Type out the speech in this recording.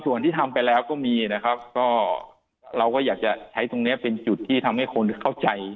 ส่วนที่ทำไปแล้วก็มีนะครับก็เราก็อยากจะใช้ตรงนี้เป็นจุดที่ทำให้คนเข้าใจ